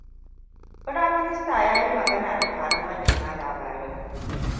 Firayim Minista yayi magana da taron manema labarai.